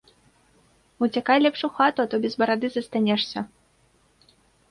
Уцякай лепш у хату, а то без барады застанешся.